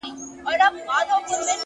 لوړ همت د خنډونو تر شا ګوري.!